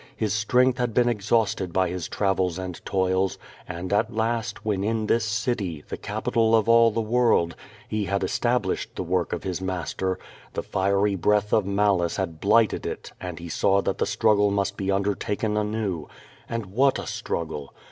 His strength had been exhausted by his travels and toils, and at last, when in this city, the capitol of all the world, he had es tablished the work of his Master, the fiery breath of malice had blighted it and he saw that the struggle must be underta ken anew. And what a struggle!